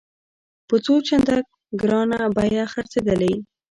په څو چنده ګرانه بیه خرڅېدلې.